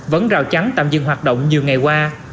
vẫn rào trắng tạm dừng hoạt động nhiều ngày qua